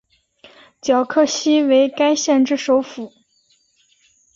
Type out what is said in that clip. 皎克西为该县之首府。